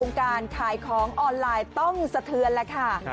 โครงการขายของออนไลน์ต้องสะเทือนค่ะ